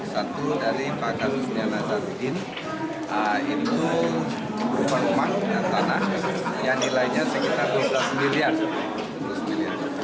satu dari kasusnya nazarudin itu berpengumum tanah yang nilainya sekitar dua puluh miliar